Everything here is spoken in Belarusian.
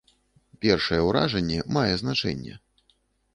Першае ўражанне мае значэнне.